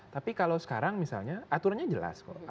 tapi kalau sekarang misalnya aturannya jelas kok